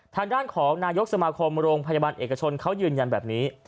ทางด้านของนายกสมาคมโรงพยาบาลเอกชนเขายืนยันแบบนี้